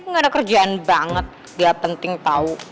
gak ada kerjaan banget gak penting tau